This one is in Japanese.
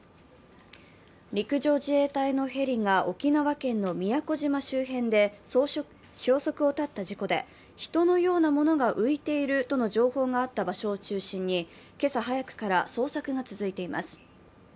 陸上自衛隊のヘリコプターが沖縄県の宮古島周辺で消息を絶った事件で人のようなものが浮いているとの情報があった場所を中心に今朝早くから捜索が続いています。